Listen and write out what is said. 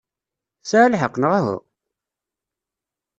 Tesɛa lḥeqq, neɣ uhu?